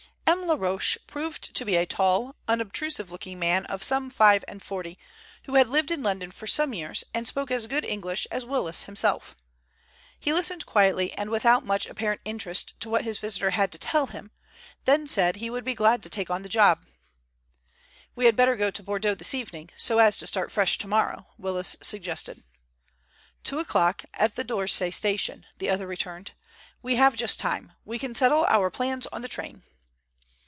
M. Laroche proved to be a tall, unobtrusive looking man of some five and forty, who had lived in London for some years and spoke as good English as Willis himself. He listened quietly and without much apparent interest to what his visitor had to tell him, then said he would be glad to take on the job. "We had better go to Bordeaux this evening, so as to start fresh tomorrow," Willis suggested. "Two o'clock at the d'Orsay station," the other returned. "We have just time. We can settle our plans in the train."